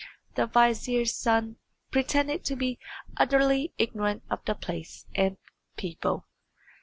The vizier's son pretended to be utterly ignorant of the place and people.